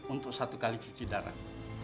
untuk satu kali cuci darah